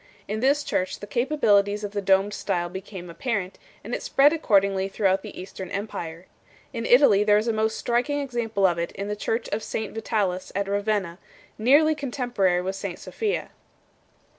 In this church the capabilities of the domed style became ap parent, and it spread accordingly throughout the Eastern empire. In Italy there is a most striking example of it in the church of St Vitalis at Ravenna, nearly contempo rary with St Sophia.